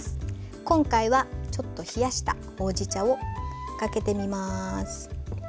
今回はちょっと冷やしたほうじ茶をかけてみます。